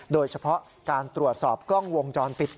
โดยเฉพาะการตรวจสอบกล้องวงจรปิด